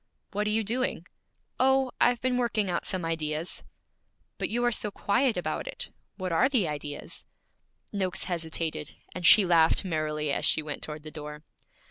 'What are you doing?' 'Oh I've been working out some ideas.' 'But you are so quiet about it! What are the ideas?' Noakes hesitated, and she laughed merrily as she went toward the door.